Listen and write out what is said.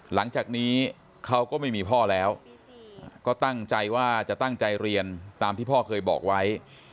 หลังจากนี้เขาก็ไม่มีพ่อแล้วก็ตั้งใจว่าจะตั้งใจเรียนตามที่พ่อเคยบอกไว้